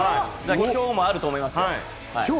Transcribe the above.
今日もあると思います。